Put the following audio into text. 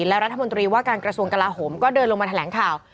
และรัฐมนตรีว่าการกระทรวงกลาโหมก็เดินลงมาแถลงข่าว